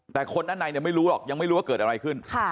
แต่คนด้านในเนี่ยไม่รู้หรอกยังไม่รู้ว่าเกิดอะไรขึ้น